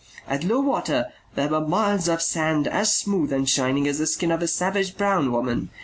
At low water there were miles of sand as smooth and shining as the skin of a savage brown woman.